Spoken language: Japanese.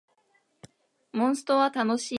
モンストは楽しい